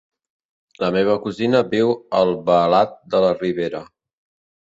La meva cosina viu a Albalat de la Ribera.